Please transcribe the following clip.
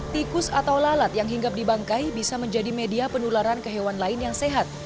tikus atau lalat yang hinggap di bangkai bisa menjadi media penularan ke hewan lain yang sehat